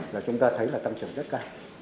là chúng ta thấy tăng trưởng rất cao